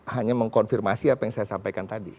hanya mengkonfirmasi apa yang saya sampaikan tadi